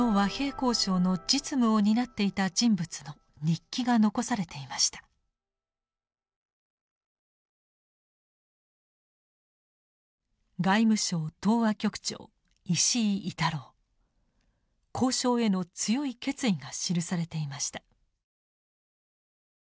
交渉への強い決意が記されていました。